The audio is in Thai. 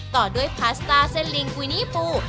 ต่อด้วยพาสต้าเส้นลิงกุยนี้ปู